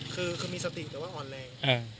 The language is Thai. คือมีสติแต่ว่าอ่อนแรง